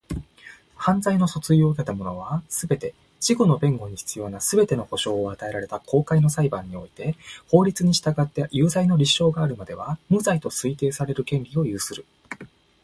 犯罪の訴追を受けた者は、すべて、自己の弁護に必要なすべての保障を与えられた公開の裁判において法律に従って有罪の立証があるまでは、無罪と推定される権利を有する。